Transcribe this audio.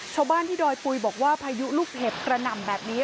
ชาวบ้านที่ดอยปุ๋ยบอกว่าพายุลูกเห็บกระหน่ำแบบนี้